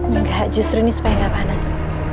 enggak justru ini supaya nggak panas